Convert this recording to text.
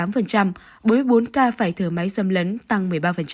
với bốn ca phải thở máy xâm lấn tăng một mươi ba